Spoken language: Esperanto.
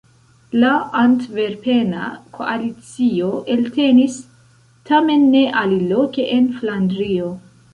La antverpena koalicio eltenis; tamen ne aliloke en Flandrio.